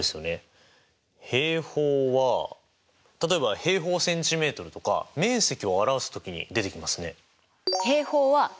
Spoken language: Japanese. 平方は例えば平方センチメートルとか面積を表す時に出てきますね。